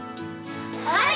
はい！